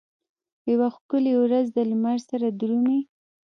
یوه ښکلې ورځ دلمره سره درومي